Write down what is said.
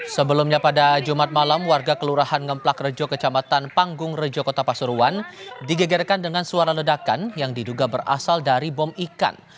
sebelumnya pada jumat malam warga kelurahan ngemplak rejo kecamatan panggung rejo kota pasuruan digegerkan dengan suara ledakan yang diduga berasal dari bom ikan